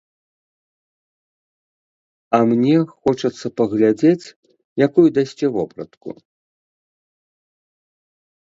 А мне хочацца паглядзець, якую дасце вопратку?